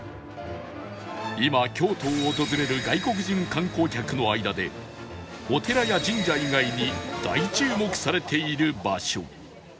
今京都を訪れる外国人観光客の間でお寺や神社以外に大注目されている場所